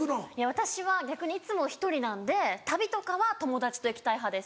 私は逆にいつも１人なんで旅とかは友達と行きたい派です。